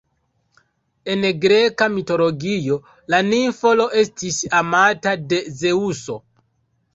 En greka mitologio, la nimfo Io estis amata de Zeŭso.